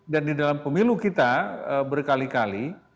dan di dalam pemilu kita berkali kali